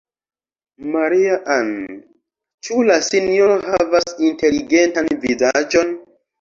Maria-Ann, ĉu la sinjoro havas inteligentan vizaĝon?